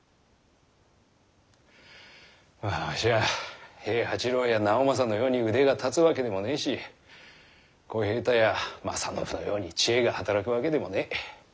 まあわしは平八郎や直政のように腕が立つわけでもねえし小平太や正信のように知恵が働くわけでもねえ。